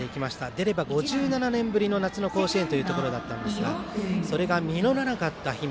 出れば５７年ぶりの夏の甲子園というところだったんですがそれが実らなかった氷見。